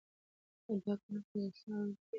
دا ګړه په یوه ساه وېل کېږي.